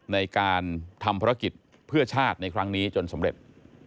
ในการทำภารกิจเพื่อชาติในครั้งนี้จนสำเร็จ